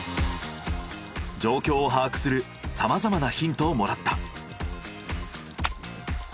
状況を把握するさまざまなヒントをもらった。